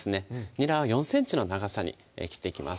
にらを４ｃｍの長さに切っていきます